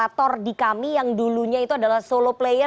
aktor di kami yang dulunya itu adalah solo player